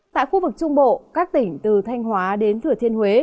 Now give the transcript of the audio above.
tại khu vực trung bộ các tỉnh từ thanh hóa đến thừa thiên huế